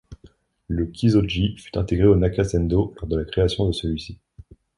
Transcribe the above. Le Kisoji fut intégrée au Nakasendō lors de la création de celui-ci.